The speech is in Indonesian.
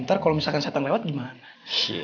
ntar kalau misalkan setan lewat gimana